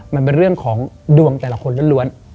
มันเป็นเรื่องของดวงแต่ละคนล้วน